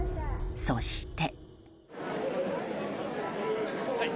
そして。